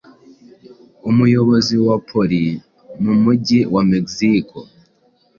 Umuyobozi wa polii mu mujyi wa Mexico